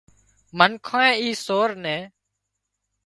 منکانئي اي سور نين